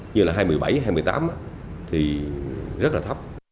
như là hai nghìn một mươi bảy hai nghìn một mươi tám thì rất là thấp